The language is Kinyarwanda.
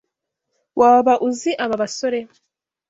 Waba uzi aba basore?